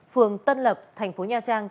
phường tân lập thành phố nha trang